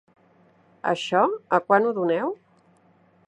Això, a quant ho doneu?